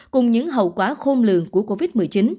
cùng những hậu quả khôn lường của covid một mươi chín